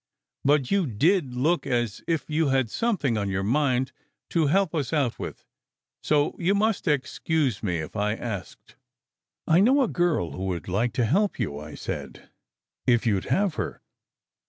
But you did look as if you had something on your mind to help us out with; so you must excuse me if I asked." "I know a girl who would like to help you," I said, "if you d have her.